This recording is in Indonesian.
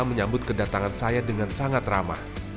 menyambut kedatangan saya dengan sangat ramah